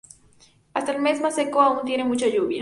Hasta el mes más seco aún tiene mucha lluvia.